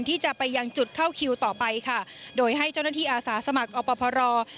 ที่จะไปยังจุดเข้าคิวต่อไปค่ะโดยให้เจ้าหน้าที่อาสาสมัครอพร